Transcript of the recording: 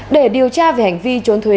để điều tra về hành vi chốn dịch